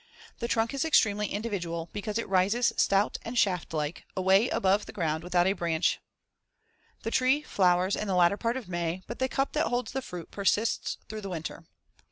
The trunk is extremely individual because it rises stout and shaft like, away above the ground without a branch as shown in Fig. 73. The tree flowers in the latter part of May but the cup that holds the fruit persists throughout the winter.